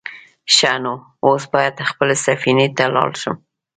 _ښه نو، اوس بايد خپلې سفينې ته لاړ شم.